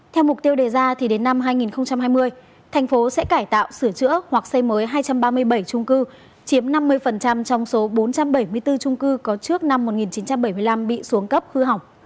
theo mục tiêu đề ra đến năm hai nghìn hai mươi tp hcm sẽ cải tạo sửa chữa hoặc xây mới hai trăm ba mươi bảy trung cư